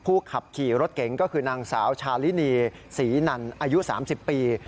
ขับขี่รถเก๋งก็คือนางสาวชาลินีศรีนันอายุ๓๐ปี